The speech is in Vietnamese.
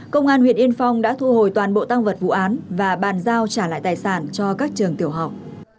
công an huyện yên phong đã thu hồi toàn bộ tăng vật vụ án và bàn giao trả lại tài sản cho các trường tiểu học